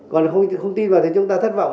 còn không tin vào thì chúng ta thất vọng